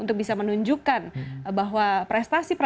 untuk bisa menunjukkan bahwa prestasi